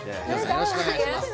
よろしくお願いします